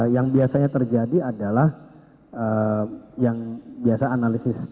yang biasanya terjadi adalah yang biasa analisis